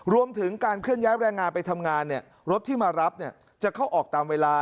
รวมถึงการเคลื่อนย้ายแรงงานไปทำงานรถที่มารับจะเข้าออกตามเวลา